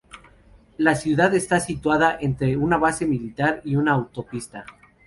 La ciudad está situada entre una base militar y una autopista.